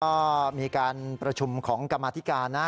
ก็มีการประชุมของกรรมาธิการนะ